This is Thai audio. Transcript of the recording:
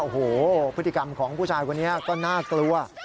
โอ้โหพฤติกรรมของผู้ชายคนนี้ก็น่ากลัว